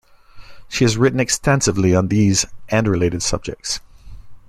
She has written extensively on these and related subjects.